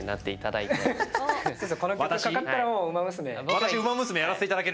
この曲かかったらもう、ウマ娘。